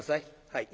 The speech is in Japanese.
「はい。